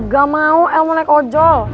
gak mau el mulai naik ojol